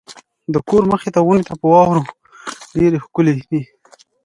د کور مخې ته ونې په واورو ډېرې ښکلې وې.